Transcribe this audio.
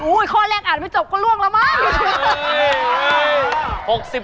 ข้อแรกอ่านไม่จบก็ล่วงแล้วมั้ง